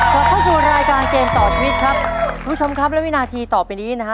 โดดข้อชวนรายการเกมต่อชีวิตครับทุกชมครับและวินาทีต่อไปนี้นะฮะ